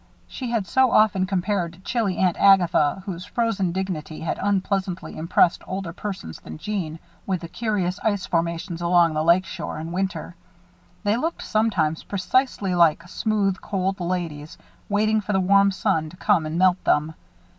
She had so often compared chilly Aunt Agatha, whose frozen dignity had unpleasantly impressed older persons than Jeanne, with the curious ice formations along the lake shore in winter. They looked, sometimes, precisely like smooth, cold ladies, waiting for the warm sun to come and melt them.